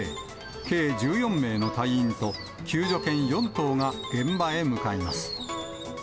計１４名の隊員と救助犬４頭が現場へ向かいます。